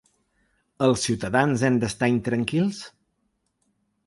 Els ciutadans hem d’estar intranquils?